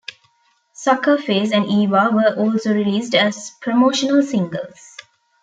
"Suckerface" and "Eva" were also released as promotional singles.